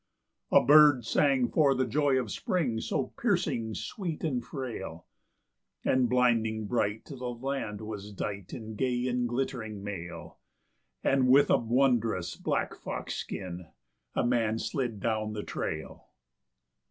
A bird sang for the joy of spring, so piercing sweet and frail; And blinding bright the land was dight in gay and glittering mail; And with a wondrous black fox skin a man slid down the trail.